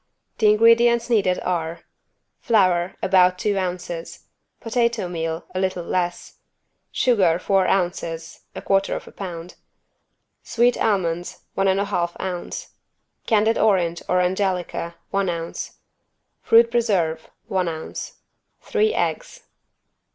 The ingredients needed are: Flour, about two ounces. Potato meal, a little less. Sugar, four ounces (1/4 lb.) Sweet almonds 1 1/2 ounce. Candied orange or angelica, one ounce. Fruit preserve, one ounce. Three eggs.